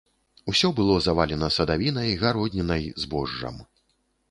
Усё было завалена садавінай, гароднінай, збожжам.